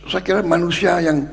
saya kira manusia